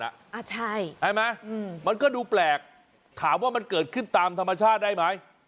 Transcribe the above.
ใช่ไหมมันก็ดูแปลกถามว่ามันเกิดขึ้นตามธรรมชาติได้ไหม